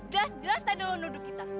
geras geras tadi lo nuduh kita